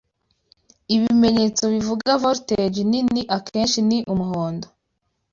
Ibimenyetso bivuga "voltage nini" akenshi ni umuhondo.